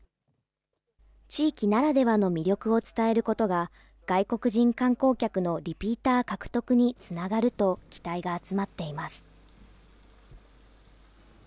地域ならではの魅力を伝えることが、外国人観光客のリピーター獲得につながると期待が集まっています。